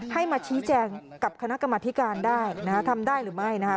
ให้มาชี้แจงกับคณะกรรมธิการได้นะคะทำได้หรือไม่นะคะ